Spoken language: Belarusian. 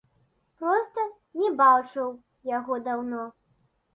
Проста не бачыў яго даўно.